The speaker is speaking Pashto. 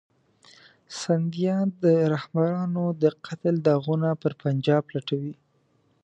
سندیان د رهبرانو د قتل داغونه پر پنجاب لټوي.